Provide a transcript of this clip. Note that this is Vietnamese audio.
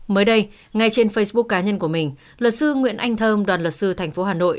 mới đây ngay trên facebook cá nhân của mình luật sư nguyễn anh thơm đoàn luật sư tp hà nội